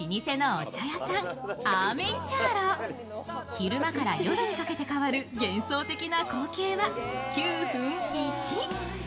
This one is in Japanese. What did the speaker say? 昼間から夜にかけて変わる想的な光景は九フン一。